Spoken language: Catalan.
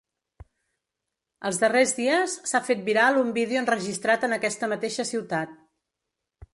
Els darrers dies, s’ha fet viral un vídeo enregistrat en aquesta mateixa ciutat.